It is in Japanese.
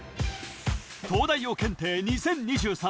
東大王検定２０２３